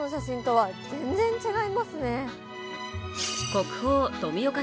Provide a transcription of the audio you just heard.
国宝・富岡